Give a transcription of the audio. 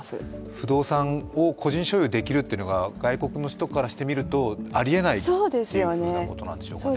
不動産を個人所有できるというのが外国の人からするとありえないということなんですかね。